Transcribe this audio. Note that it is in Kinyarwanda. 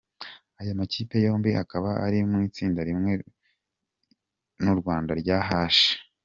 Aya makipe yombi akaba ari mu itsinda rimwe n’u Rwanda rya H.